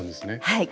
はい。